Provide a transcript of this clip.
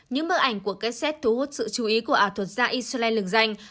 những bức ảnh của kesset thu hút sự chú ý của ả thuật gia israel lường danh